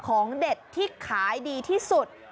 ของเด็ดที่ขายดีที่สุด